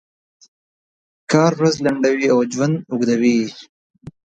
کار ورځ لنډوي او ژوند اوږدوي.